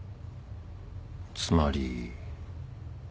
つまり。